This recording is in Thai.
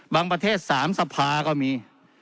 ประเทศ๓สภาก็มี